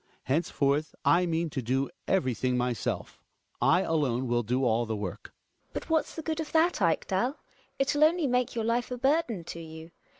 Henceforth I mean to do everything myself; I alone will do all the work. GiNA. But what's the good of that, Ekdal ? It'll only make your life a burden to you.